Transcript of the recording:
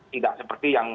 tidak seperti yang